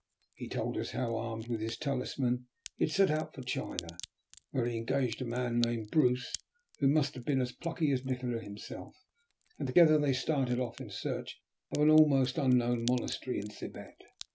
He told us how, armed with this talisman, he had set out for China, where he engaged a man named Bruce, who must have been as plucky as Nikola himself, and together they started off in search of an almost unknown monastery in Thibet.